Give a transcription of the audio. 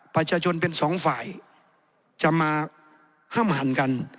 ประชาชนเป็นสองฝ่ายจะมาห้ามหันกัน